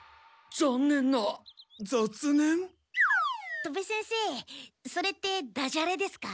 戸部先生それってダジャレですか？